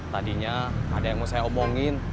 tadinya ada yang mau saya omongin